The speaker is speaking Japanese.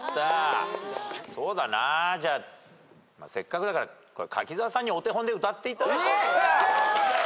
そうだなぁ。じゃあせっかくだからこれ柿澤さんにお手本で歌っていただこう。